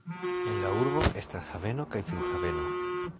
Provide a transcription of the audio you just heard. En la urbo estas haveno kaj flughaveno.